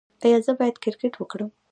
ایا زه باید کرکټ وکړم؟